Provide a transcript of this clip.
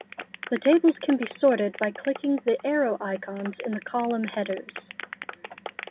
The tables can be sorted by clicking the arrow icons in the column headers.